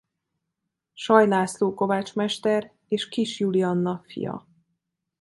Saly László kovácsmester és Kis Julianna fia.